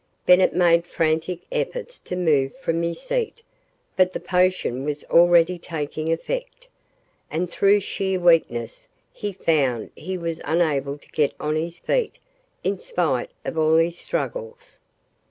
Bennett made frantic efforts to move from his seat, but the potion was already taking effect, and through sheer weakness he found he was unable to get on his feet in spite of all his struggles.